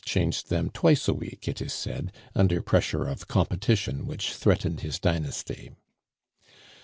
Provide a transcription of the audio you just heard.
changed them twice a week, it is said, under pressure of competition which threatened his dynasty.